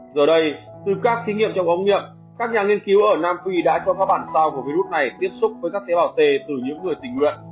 giờ đây từ các kinh nghiệm trong ống nghiệm các nhà nghiên cứu ở nam phi đã cho các bản sao của virus này tiếp xúc với các tế bào t từ những người tình nguyện